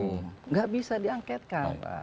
tidak bisa diangketkan